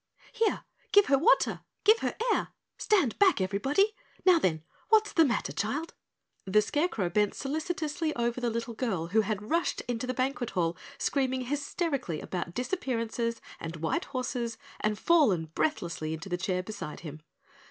"Here, give her water! Give her air! Stand back, everybody. Now, then, what's the matter, child?" The Scarecrow bent solicitously over the little girl who had rushed into the banquet hall screaming hysterically about disappearances and white horses and fallen breathlessly into the chair beside him.